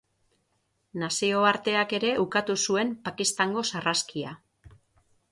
Nazioarteak ere ukatu zuen Pakistango sarraskia.